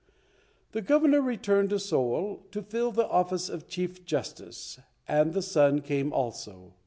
The Governor returned to Seoul to fill the office of Chief Justice, and the son came also.